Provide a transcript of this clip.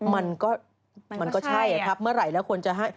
มันก็มันก็ใช่ครับเมื่อไหร่แล้วควรจะให้